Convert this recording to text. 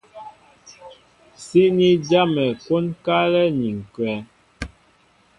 Síní jámɛ kwónkálɛ́ ni ǹkwɛ̌.